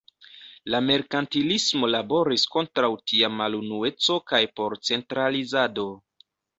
La merkantilismo laboris kontraŭ tia malunueco kaj por centralizado.